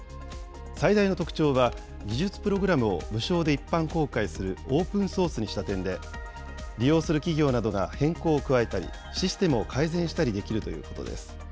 最大の特徴は、技術プログラムを無償で一般公開するオープンソースにした点で、利用する企業などが変更を加えたり、システムを改善したりできるということです。